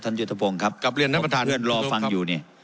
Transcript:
ยุทธพงศ์ครับกลับเรียนท่านประธานเพื่อนรอฟังอยู่นี่